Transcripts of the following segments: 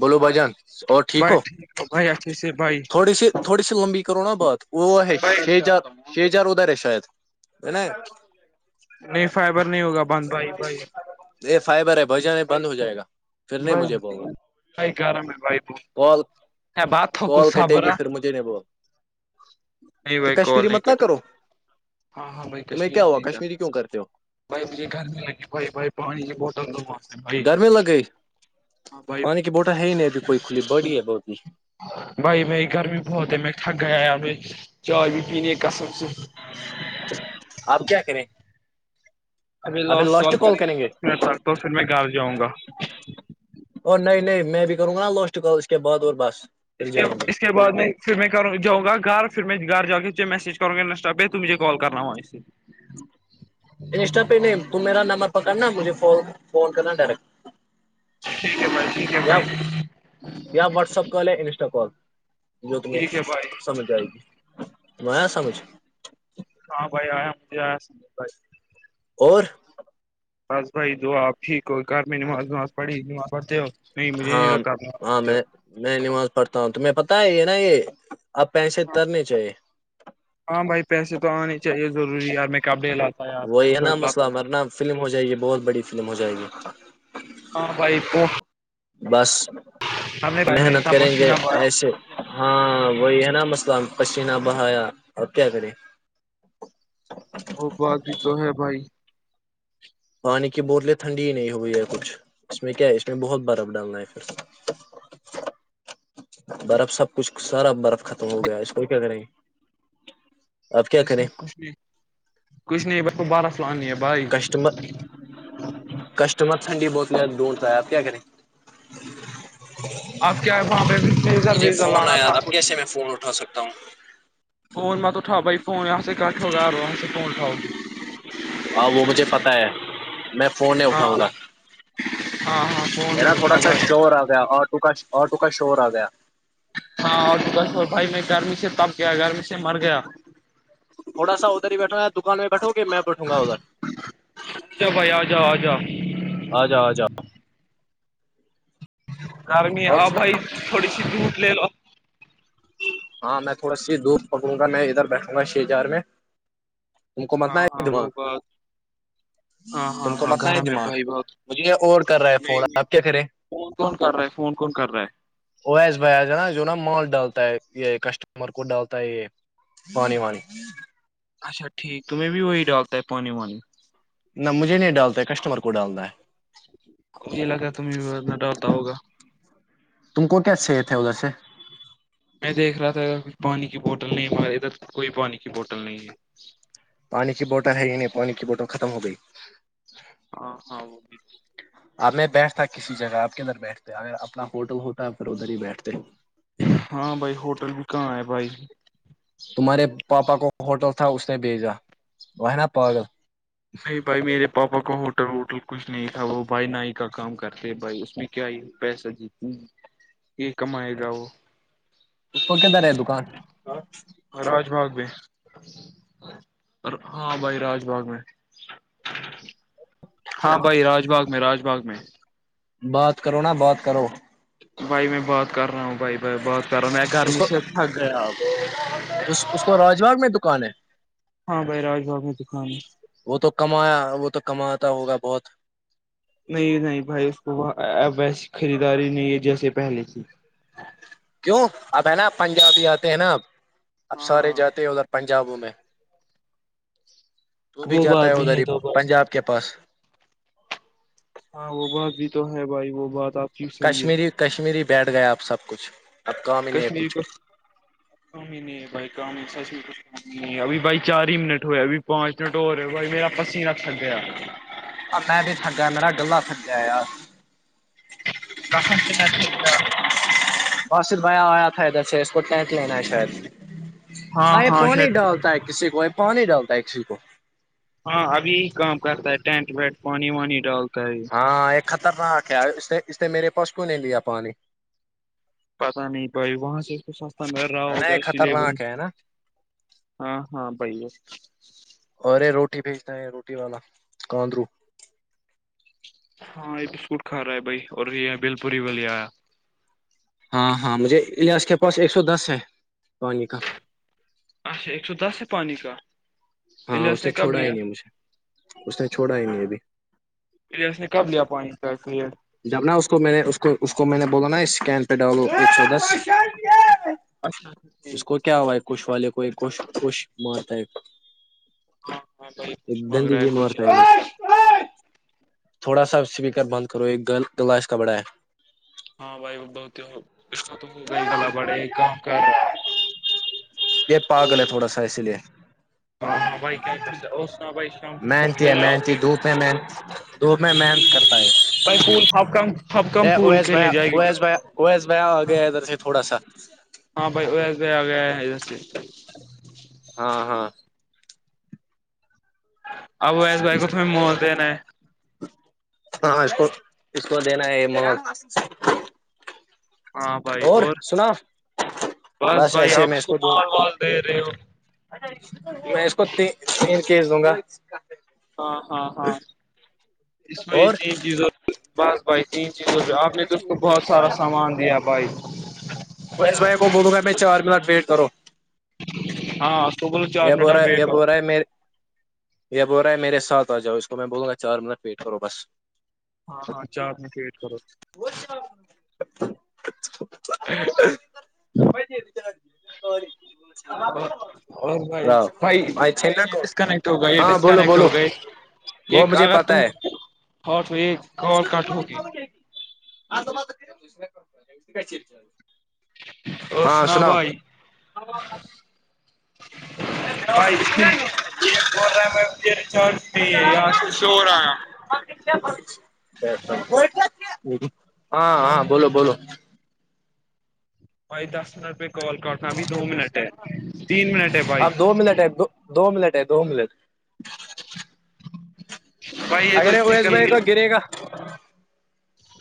بولو بھجان اور ٹھیک بھائی ہو بھائی اچھے سے بھائی تھوڑی سی تھوڑی سی لمبی کرو نا بات وہ ہے چ ہزار چھ ہزار ادھرار ہے شاید ہے نا نہیں فائبر نہیں ہوگا بند بھائی بھائی یہ فائبر ہے بھجن ہے بند ہو جائے گا پھر نہیں بس مجھے بولنا بائک رہا ہے بھائی پ کال ہ بات ہوک کال ص کٹے بر گی پھر مجھے نہیں بول نہیں کہ بھائی کال کشمیری نہیں مت نہ کرو کٹیے ہاں ہاں بھائی تمہیں کشمییر کیا ہوا نہیں تھا کشمیری کیوں کرتے ہو بھائی مجھے گھر میں لگے بھائی بھائی پانی کی بوتل دوا گرمی لگ گئی بھائی پانی کی بوٹل ہے ہی نہیں ابھی کوئی کھلی بڑی ہے بہت ہی بھائی بھائی گرمی بہت ہے میں تھگ گ آیا ب چائے بھی پینے کسم سے آپ کیا کریں ابھی لوس کال کریں گے دس منٹ تک تو پھر میں گھر جاؤں گا اور نہیں نہیں میں بھی کروں گا نا لاسٹ کال اس کے بعد اور بس پھر اس کے اس جائیں گے اس کے بعد میں پھر میں کروں جاؤں گھر پھر میں گھر جا کے میسج کروں گا انسٹا پہ تو مجھے کال کرنا ہوا اس سے انسٹا پہ نہیں تو میرا نمبر پکڑنا مجھے فون فون کرنا ڈائریکٹ ٹھیک ہے بھائی ٹھیک ہے یا بھائی یا واٹسپ کال یا انسٹا کال جو تمہیں ٹھیک ہے بھائی سمجھ آئے گی ت آیا سمجھ ہاں بھائی آیا مجھے آیا سمیل بھائی اور بس بھائی دو آپ کوئی کار میں نماز نماز پڑھی نماز پڑھتے ہو نہیں مجھے نہیں لگتااز آ میں میں نماز پڑھتا ہوں تمہیں پتتا ہے یہ نا یہ آب پیسے ترنے چاہیے ہاں بھائی پیسے تو آنے چاہیے ضری ار میں کپڑے لات وہی ہے نا مسئلہ ہمارنہ فلم ہو جائے گی بہت بڑی فلم ہو جائے گی ہاں بھائی پ بس بھائی میں محنت اتنا کریں گے پسینہ پڑا ایسے ہاں وہی ہے نا مسئلہ پسینہ بہایا ا کیا کریں وہ بات بھی تو ہے بھائی پانی کی بوتلیں ٹھنڈی ہی نہیں ہوئی ہے کچھ اس میں کیا ہے اس میں بہت برف ڈالنا ہے پھر برف سب کچھ سارا برف ختم ہو گیا اس کوئی کیاک نہیں اس میں کچھ نہیں کچھ نہیں ب کو بارہسل آنی ہے بھائی کسٹمر کسٹمر ٹھنڈی بوتلیں ڈھونڈتا ہے آپ کیا کریں آپ کیا ہے وہاں پہ ڈیزر مجھے ویزر فون لانا آیا تھا اب کچھ کیسے میں فون اٹھا سکتا ہوں فون م تو اٹھاؤ بھائی فون اس کٹھ ہوگا فونٹھاؤ گ ہ وہ مجھے پتہ ہے میں فون نہیں ہاں اٹھاؤں گا ہاں ہاں فون نا مت تھوڑا اٹھاؤ سا بھائی شور آ گیا آٹو کا آٹو کا شور آ گیا ہاں اور بھائی میں گرمی سے تب گیا گرمی سے مر گیا تھوڑا سا ادھر ہی بیٹھوں دکان میں بیٹھو گے میں بیٹھوں گا ادھر اچھا بھائی آ جاؤ آ جاؤ آ جاؤ آ جاؤ گارمی اور آ بھائی تھوڑی س دودت لے ل ہاں میں تھوڑا سی دودھ پکڑوں گا میں ادھر بیٹھوں گا شھ چار میں ت کو متنا ہاں ہے ہاں دمہ وہ بات ہاں تم ہاں کو ہاں متنا ہے گھر میں دماغ بھائی بہت مجھے یہ اور کر رہا ہے فون نہیں نہیں آپ کیا کریں فون کون کر رہا ہے فون کون کر رہا ہے اوس بھیا جانا جو نا مال ڈاگ یہ کسٹمر کو ڈالتا ہے یہ پانی وانی اچا ٹھیک توم م میں بھیی وہی ڈاک تہ پانی وانی نہ مجھے نہیں ڈالتا کسٹمر کو ڈالنا ہے یہ لگا تمیں ب ڈالتا ہوگا تم کو کیا صحت ہے ادھر سے میں دیکھ رہا تھا پانی کی بوٹل نہیں ہمارے ادھر کوئی پانی کی بوٹل نہیں ہے پانی کی بوٹل ہے ہی نہیں پانی کی بوٹل ختم ہو گئی ہ ہاں وہ بھی اب میں بیٹھتا کسی جگہ آپ کے ادھر بیٹھتے اگر اپنا ہوٹل ہوتا ہے پھر ادھر ہی بیٹھتے ہاں بھائی ہوٹل بھی کہاں ہے بھائی تمہارے پاپا کو ہوٹل تھا اس نے بھیجا وہ نا پاگل نہیں بھائی میرے پاپا کو ہوٹل ووٹل کچھ نہیں تھا وہ بھائی نائی کا کام کرتے بھائی اس میں کیا یہ پیسہ جی یہ کمائے گا وہ اس کو کہد رہے دکان ہ راج ماغ بھی ہاں بھائی راج باغ میں ہاں بھائی راج باغ میں رج باغ میں بات کرو نا بات کرو بھائی میں بات کر رہا ہوں بھائی بائی بات کر رہا ہوں میں اس گرمی کو سے تھک گیا اس آپ اس کو راج باغ میں دکان ہے ہاں بھائی راج باغ میں دکان ہے وہ تو کمایا وہ تو کماتا ہوگا بہت نہیں نہیں بھائی اس کو اب ویسی خریداری نہیں ہے جیسے پہلے تھی کیوں اب ہے نا ا پنجابی آتے ہیں نا اب اب سارے ہاں جاتے ہیں ادھر پنجابوں میں تو بھی وہ جاتا ہے بات بھی ادھر ہی تو بھائی پنجاب کے پاس ہاں وہ بات بھی تو ہے بھائی وہ بات آپ کی صحیح ہے کشمیری کشمیری بیٹھ گئے آپ سب کچھ اب کام ہی نہیں ہے کشمیری کچھ کو ن بائی سمی نہیں ابھی بھائی چار ہی منٹ ہوئے ابھی پانچ منٹ ہو رہ ہے ہو بھائی میرا پس ہی رکھ سک گیا اور میں بھی تھگا میرا گلہ تھگیا ار رسن سےنات بصر بیا ہویا تھا ادھر سے اس کو ٹینک لینا ہے شاید ہاں یہ پانی ڈالتا ہے کسی کو یہ پانی ڈالتا ہے کسی کو ہاں ابھی ہی کام کرتا ہے ٹینٹ وینٹ پانی وانی ڈالتا ہے ہاں ایک خطرناک ہے اس اس نے میرے پس کووں نہیں لیا پانی پتا نہیں بھائی وہاں سے اس کو سستا مل رہا ہے نا ہوگا یہ سلے وہی خطرناک ہے سےے نا ہاں ہاں بائیے اوررے روٹی بھیجتا ہے روٹی والا کاندرو ہاں یہ بسکٹ کھا رہا ہے بھائی اور یہ بل پوری وال آیا ہاں ہاں مجھے لیاج کے پاس ایک سو دس ہے پانی کا اچھا ایک سو دس ہے پانی کا ہاں اس الیاس نے کب چھوڑا ہی لیا نہیں مجھے اس نے چھوڑا ہی نہیں ابھی پ اس نے کب لیا پانی کا جب نا اس کو میں نے کو اس کو میں نے بولا نا اسکین پہ ڈلو ایک سو دس اچھا ٹھیک اس کو کیا ہوا ہے کھ والے کو ایک کھ کشھ مارتا ہے ہاں ہاں بھائی ایک کچھ مانگ گندی رہا بھیی م کچھ مارتا ہے ل تھوڑا سا اسپیکر بند کرو ایک گ گلاس کا بڑا ہے ہاں بھائی وہ بہ اس کا تو ہوگا ہی گلا بڑے کہاں کر یہ پاگل ہے تھوڑا سا اس لیے ہاں بھائی کیا کر سک اور سنا بھائی شام کو پول محنتی ہے کھیلنے آؤ محنتی گے د محنت دو میں محنت کرتا ہے ب پول سب کم اب کم پول تھوڑا کھیلنے جائے گے سا ہاں بھائی ا ایس بی آ گیا سے ہاں ہاں ابو ایس بھائی کو تمہیں موت دینا ہے ہاں اس کو اس کو دینا ہے مک ہاں بھائی اور سنا بس بھائی آپ اس کو مال مال دے رہے ہو میں اس کو ت تین کیس دوں گا ہاں ہاں ہاں اس میںت اور چیزوں بس بھائی تین چیز آپ نے تو اس کو بہت سارا سامان دیا بھائی اس بج کو بولوں گا میں چار منٹ ویٹ کرو ہاں سول چار منٹ وٹ کر رہ ہے میر یہ ب ہو رہا ہے میرے ساتھ آ جاؤ اس کو میں بولوں گا چار منٹ ویٹ کرو بس ہاں ہاں چار منٹے ویٹ کرو وہ [unintelligible] اور اور بھائی بھائی بائی آنا یہ کو ڈسکنیکٹ ہو گئے یہ ہاں بولو ڈسکنیکٹ ہو بولو گئے وہ ایک مجھے اگر پتا تم ہے ہٹ یہ کول کٹ ہوگی ہاں تو اور ہاں سنا سناؤ گب بھائی یہ ب رہا ر چارج نہیں ہے ار سے شور آیا ہاں ہاں بولو بولو بھائی دس منٹ پہ کال کرنا بھی دو منٹ ہے تین منٹ ہے بھائی ملا ٹائپ کو دو منٹ ہے دو ملٹ [unintelligible] بھائی یہ تو اگرے وہیس نکل بھائی گئی کا گرے گا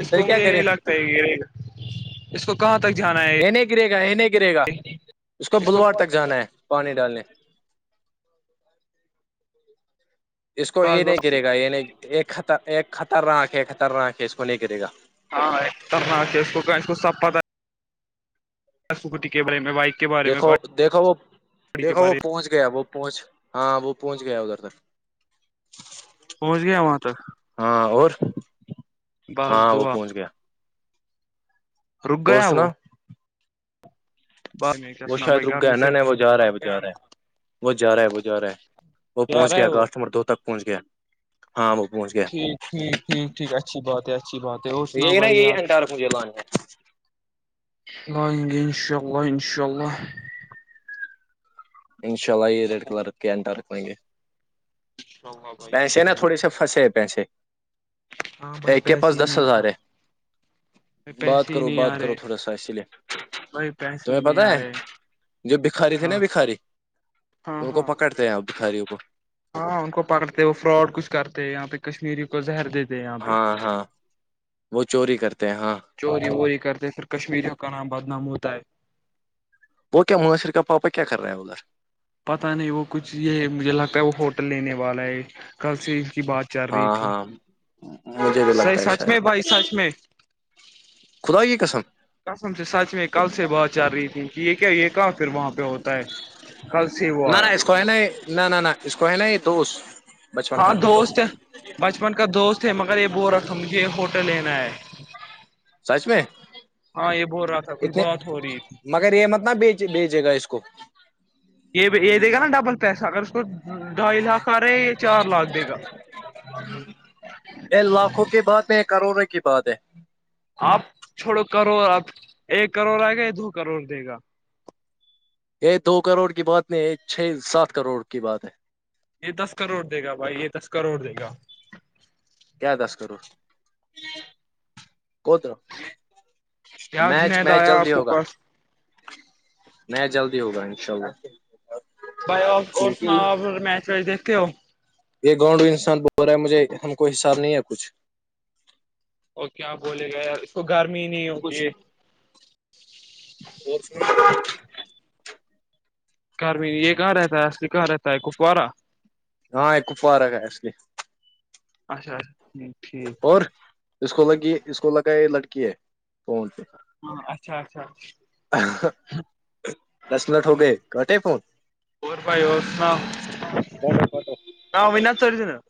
اس پھر کو کیا مجھے کرے نہیں لگتا کہ اس کو کہاں تک جانا ہے نہیں گرے گا ہ گرے گا اس کو بدوار تک جانا ہے پانی ڈالنے اس کو بس یہ نہیں بس گے گا یہ نہیں ایکطر خطرناہک ہے خطرہک ہے اس کو نہیں گے گا ہاں خطرناک ہے اس کو کہ اس کو سب پتا سکٹی کے برے میں بائک کے بارے میں دیکھو گاڑی دیکھو وہ کے دیکھو وہ بارے پہنچ گ گیا وہ پہنچ ہاں وہ پہنچ گیا ادھر تک میں پہنچ گیا وہاں تک ہاں اور بس ہاں وہ دعا پہنچ گیا رک اور گیا وہ سنا بعد میں کیا وہ سنا شاید بھائی رک گیا گرمی ہے ن سے نہیں وہ جا رہا اب ہے وہ جا گیا رہا ہے وہ جا رہا ہے وہ جا رہا ہے وہ کیا پہنچ رہا گیا ہے اگا وہ نمبر دو تک پہنچ گیا ہاں وہ پہنچ گیا ٹھیک ٹھیک ٹھیک ٹھیک اچھی بات ہے اچھی بات ہے اور سناؤ بھائی یار مجھےبان ہے لائیں گے انشاء اللہ انشاء اللہ انشاء اللہ یہ ریڈ کلر کے انینٹر رکھیں گے انشاء اللہ بھائی پیسے نا انشاء تھوڑے اللہ سا فسے پیسے ہاں بھائی ایک کے پاس پیسے ہی دس نہیں آ ہزار ہے بھائی بات پیسے ہی کرو نہیں بات آ کرو رہے تھوڑا سا اسی لیے بھائی پیسے تمہیں ہی نہیں پتا آ ہے رہے جو بکھاری تھے نا ہاں بکھاری ہاں ان کو ہاں پکڑتے ہیں بکھاریوں کو ہاں ان کو پکڑتے وہ فراڈ کچھ کرتے یہاں پہ کشمیری کو زہر دیتے ہیں یہاں پہ ہاں ہاں وہ چوری کرتے ہیں ہاں چوری ووری کرتے پھر کشمیریوں کا نام بدنام ہوتا ہے بوک کیا مناسر کا پپاپا کیا کر رہے ہیں ادھر پتا نہیں وہ کچھ یہ مجھے لگتا ہے وہ ہوٹل لینے والا ہے کل سے ان کی بات چل رہی ہاں تھی ہاں مجھے بھی سی لگتا ہے سچ شاید میں بھائی سچ میں خدائیی قسم سم سے سچ میں کل سے بہت چل رہی تھی کہ یہ کیا یہ کہاں پھر وہاں پہ ہوتا ہے کل سے وہ نہ نہ آیا اس کو ہے نہیں نہ نہ نہ اس کو ہے نہیں تو ہاں دوست ہے بچپن کا دوست ہے مگر یہ ب رہکھا تھا مجھے یہ ہوٹل لینا ہے سچ میں ہاں یہ بول رہا تھا کچھ اتنے بہات ہو رہی تھی مگر یہ مت نہ بیچ بیچے گا اس کو یہ یہ دے گا نا ڈبل پیسہ اگر اس کو ڈھائی لاکھ آ رہا ہے یہ چار لاکھ دے گا یہ لاکھوں کی بات ہے کروڑوں کی بات ہے آپ چھوڑو کروڑ آپ ایک کروڑ آئے گا یا دو کروڑ دے گا یہ دو کروڑ کی بات نہیں ہے چھ سات کروڑ کی بات ہے یہ دس کروڑ دے گا بھائی یہ دس کروڑ دے گا کیا دس کرو کو تور کیا میچ جنید میچ آیا آپ جلدی کے ہوگا پاس نہیں جلدی ہوگا انشاء اللہ بائی آف اور سناؤ آپ میچ ویچ دیکتے ہو یہ گاؤڈو انسان بول رہا ہے مجھے ہم کو حساب نہیں ہے کچھ او کیااں بولے گئے ی اس کو گرمی ہی نہیں ہوتی ہے اور سنا گھر میں یہ کہاں رہتا ہے اصلی کہاں رہتا ہے کپوارا ہاں ایکوپوار ہےسلی اچھا اچھا ٹھ ٹھیک اور اس کو لگ اس کو لگا یہ لڑکی ہے کونچ ہاں اچھا اچھا [unintelligible] دس منٹ ہو گئے کٹے فون اور بھائی اور سناؤ ہ اوینات چور ت ن